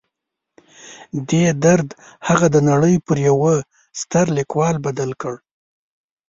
دې درد هغه د نړۍ پر یوه ستر لیکوال بدل کړ